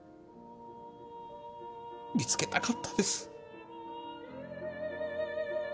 見つけたかったです。